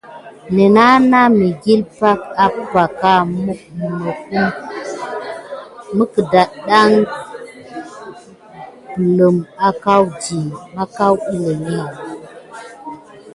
Nenana mikile apaka munokum tate kidi belma akawuya naour kilen.